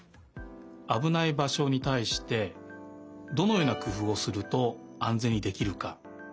あぶないばしょにたいしてどのようなくふうをするとあんぜんにできるか。